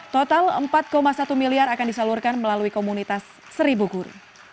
total empat satu miliar akan disalurkan melalui komunitas seribugur